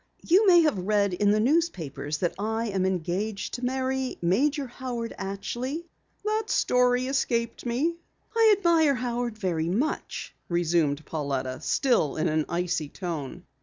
"You may have read in the newspapers that I am engaged to marry Major Howard Atchley?" "The story escaped me." "I admire Howard very much," resumed Pauletta, still in an icy tone.